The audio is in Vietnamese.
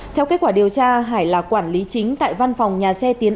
theo kết quả điều tra hải là quản lý chính tại văn phòng nhà xe tiến